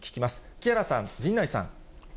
木原さん、陣内さん。